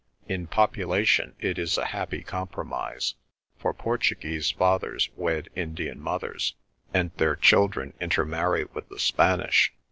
In population it is a happy compromise, for Portuguese fathers wed Indian mothers, and their children intermarry with the Spanish.